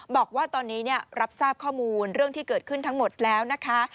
บอกว่าตอนนี้รับทราบข้อมูลเรื่องที่เกิดขึ้นทั้งหมดแล้วนะคะ